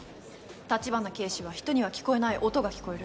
橘警視はひとには聞こえない音が聞こえる。